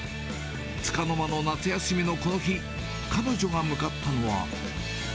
つかの間の夏休みのこの日、彼女が向かったのは。